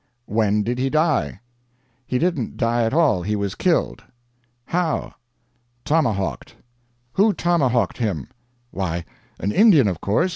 "When did he die?" "He didn't die at all he was killed." "How?" "Tomahawked." "Who tomahawked him?" "Why, an Indian, of course.